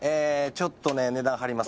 ちょっとね値段張ります